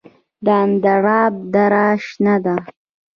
د اندراب دره شنه ده